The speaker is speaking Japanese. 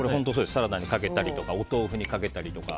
サラダにかけたりとかお豆腐にかけたりとか。